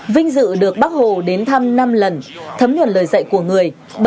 vinh dự được bác hồ đến thăm năm lần thấm nhuận lời dạy của người